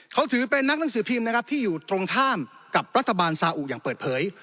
เขาถือเป็นนักหนังสือพิมพ์นะครับที่อยู่ตรงข้ามกับรัฐบาลสาอุอย่างเปิดเผย